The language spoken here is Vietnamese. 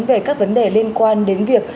về các vấn đề liên quan đến việc